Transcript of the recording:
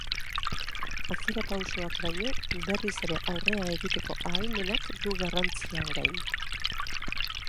Atzerapausoak baino, berriz ere aurrera egiteko ahalmenak du garrantzia orain.